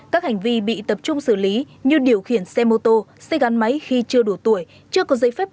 các hành vi bị tập trung xử lý như điều khiển xe mô tô xe gắn máy khi chưa đủ tuổi chưa có giấy phép lái